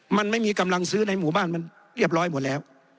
มันไม่มีกำลังซื้อในหมู่บ้านมันเรียบร้อยหมดแล้ว